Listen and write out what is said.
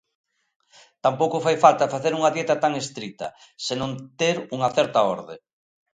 Tampouco fai falta facer unha dieta tan estrita, senón ter unha certa orde.